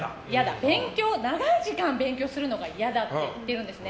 長い時間、勉強するのが嫌だって言ってるんですね。